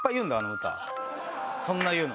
そんな言うの？